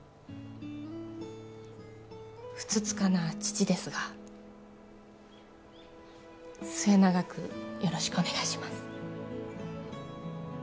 ふつつかな父ですが末永くよろしくお願いします